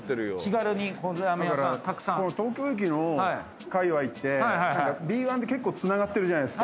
東京駅のかいわいってＢ１で結構つながってるじゃないですか。